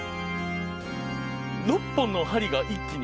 ６本の針が一気に。